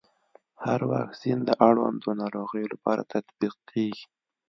هر واکسین د اړوندو ناروغيو لپاره تطبیق کېږي.